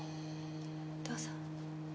どうぞ。